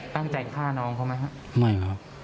ตั้งใจฆ่าน้องเขาไหมครับไม่ครับ